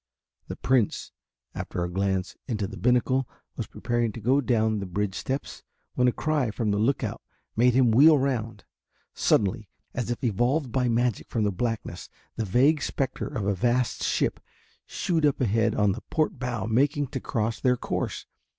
The Prince after a glance into the binnacle was preparing to go down the bridge steps when a cry from the Look out made him wheel round. Suddenly, and as if evolved by magic from the blackness, the vague spectre of a vast ship shewed up ahead on the port bow making to cross their course.